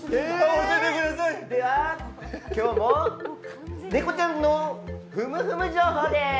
では今日も、ネコちゃんのふむふむ情報です。